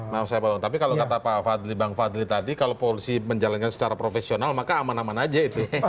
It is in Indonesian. maaf saya bawa tapi kalau kata pak fadli tadi kalau polisi menjalankan secara profesional maka aman aman aja itu